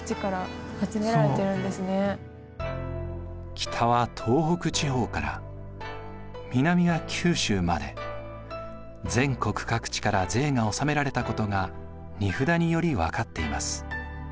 北は東北地方から南は九州まで全国各地から税が納められたことが荷札により分かっています。